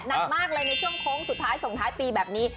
หนักมากเลยในช่วงโค้งสุดท้ายส่งท้ายปีแบบนี้